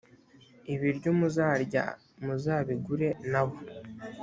ibiryo muzarya muzabigure na bo